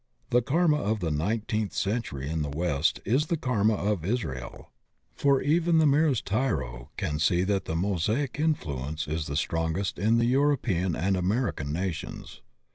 The karma of the nineteenth century in the West is the karma of Israel, for even the merest tyro can i 96 THE OCEAN OF THEOSOPHY see that the Mosaic influence is the strongest in the European and American nations.